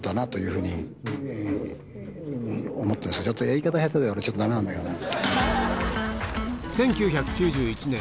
言い方がヘタで俺ちょっとダメなんだけどな。